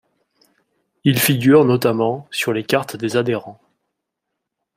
Il figure, notamment, sur les cartes des adhérents.